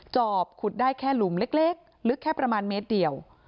อบขุดได้แค่หลุมเล็กลึกแค่ประมาณเมตรเดียว